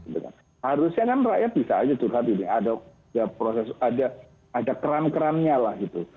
seharusnya kan rakyat bisa aja turhat ada proses ada keran kerannya lah gitu